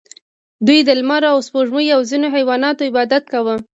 دوی د لمر او سپوږمۍ او ځینو حیواناتو عبادت کاوه